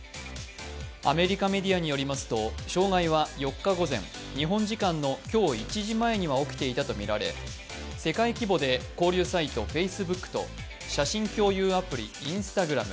アメリカメディアによりますと障害は４日午前、日本時間の今日１時前には起きていたとみられ世界規模で交流サイトＦａｃｅｂｏｏｋと写真共有アプリ、Ｉｎｓｔａｇｒａｍ